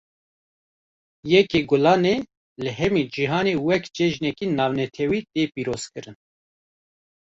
Yekê Gulanê, li hemî cihanê wek cejneke navnetewî tê pîroz kirin